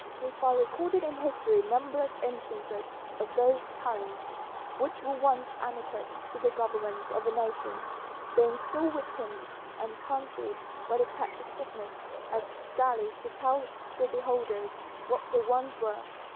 We find recorded in history numberless instances of those talents, which were once adequate to the government of a nation, being so weakened and palsied by the touch of sickness as scarcely to tell to beholders what they once were.